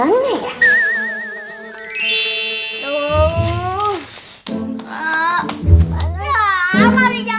ini dia punya doraemon gimana ya